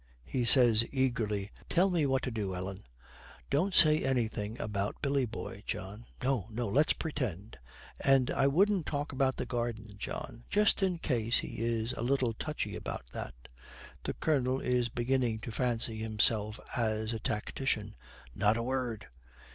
He says eagerly, 'Tell me what to do, Ellen.' 'Don't say anything about Billy boy, John.' 'No, no, let's pretend.' 'And I wouldn't talk about the garden, John; just in case he is a little touchy about that.' The Colonel is beginning to fancy himself as a tactician. 'Not a word!'